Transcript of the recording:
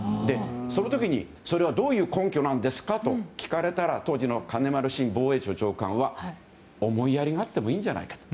その時に、それはどういう根拠なんですかと聞かれたら当時の金丸信防衛庁長官は思いやりがあってもいいんじゃないかと。